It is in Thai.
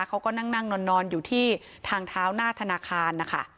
เขาก็นั่งนอนอยู่ที่ทางเท้าหน้าธนาคารนะคะ